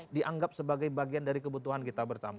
ini harus dianggap sebagai bagian dari kebutuhan kita bersama